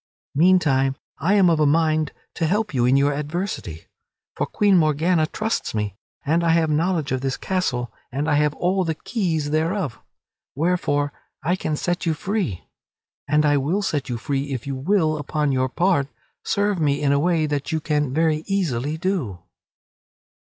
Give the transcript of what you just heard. Meantime, I am of a mind to help you in your adversity. For Queen Morgana trusts me, and I have knowledge of this castle and I have all the keys thereof, wherefore I can set you free. And I will set you free if you will, upon your part, serve me in a way that you can very easily do."